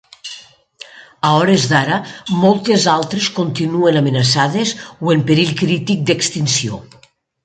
A hores d'ara, moltes altres continuen amenaçades o en perill crític d'extinció.